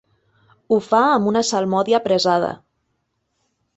Ho fa amb una salmòdia apressada.